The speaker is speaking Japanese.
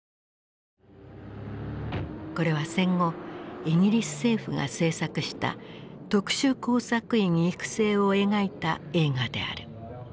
これは戦後イギリス政府が製作した特殊工作員育成を描いた映画である。